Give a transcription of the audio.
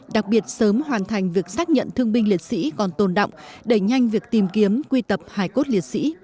đặc biệt sớm hoàn thành việc xác nhận thương binh liệt sĩ còn tồn động đẩy nhanh việc tìm kiếm quy tập hải cốt liệt sĩ